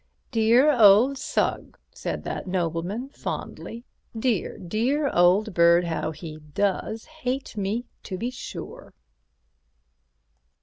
"Dear old Sugg," said that nobleman, fondly, "dear, dear old bird! How he does hate me, to be sure."